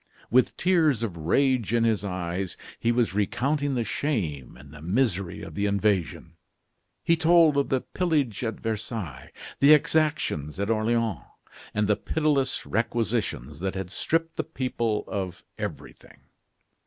With tears of rage in his eyes, he was recounting the shame and the misery of the invasion. He told of the pillage at Versailles, the exactions at Orleans, and the pitiless requisitions that had stripped the people of everything.